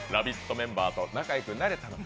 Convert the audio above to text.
メンバーと仲良くなれたのか。